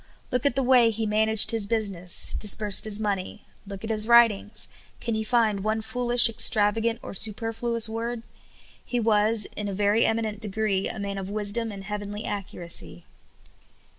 Look at the way he managed his business ; disbursed his money. Look at his writings ; can you find one fool ish, extravagant, or superfluous word ? He was, in a very eminent degree, a man of wisdom and heavenly accuracy.